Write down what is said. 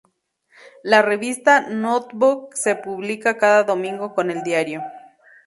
La revista "Notebook" se publica cada domingo con el diario.